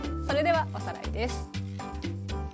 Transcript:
それではおさらいです。